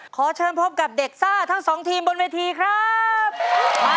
ขอเชิญพบกับเด็กซ่าทั้งสองทีมบนเวทีครับ